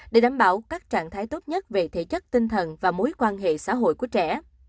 để đảm bảo các trạng thái tốt nhất về thể chất tinh thần và mối quan hệ xã hội của trẻ